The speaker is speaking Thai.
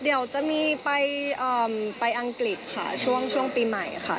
เดี๋ยวจะมีไปอังกฤษค่ะช่วงปีใหม่ค่ะ